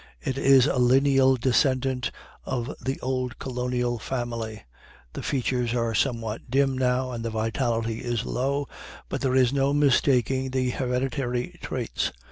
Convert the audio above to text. It is a lineal descendant of the old colonial family. The features are somewhat dim now, and the vitality is low, but there is no mistaking the hereditary traits.